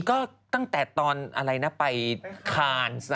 ก็ตั้งแต่ตอนอะไรนะไปคาน